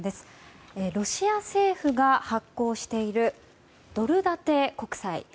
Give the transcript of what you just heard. ロシア政府が発行しているドル建て国債。